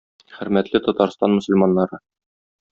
Хөрмәтле Татарстан мөселманнары!